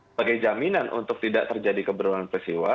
sebagai jaminan untuk tidak terjadi keberadaan persiwa